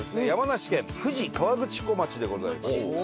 山梨県富士河口湖町でございます。